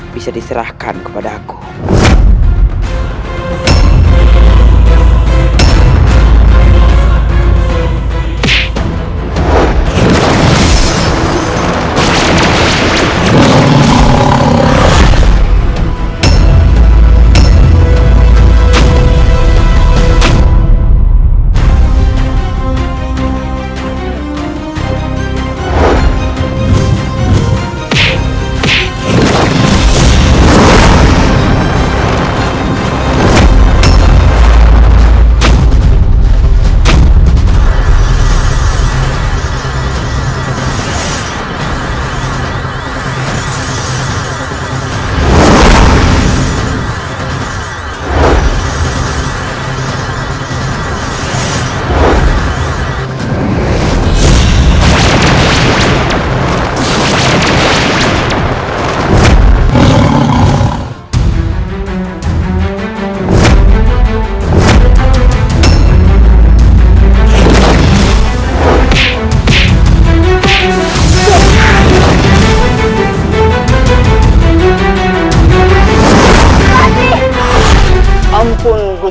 bisa diserahkan kepada aku